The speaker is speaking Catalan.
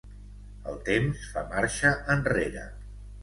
El temps fa marxa enrere.